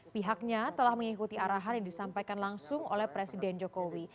pihaknya telah mengikuti arahan yang disampaikan langsung oleh presiden jokowi